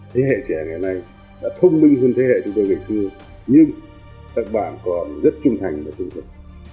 thế hệ trẻ ngày nay đã thông minh hơn thế hệ chúng tôi ngày xưa nhưng các bạn còn rất trung thành và dũng thực